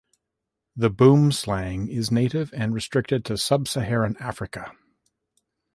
The boomslang is native and restricted to Sub-Saharan Africa.